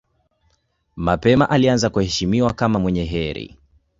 Mapema alianza kuheshimiwa kama mwenye heri.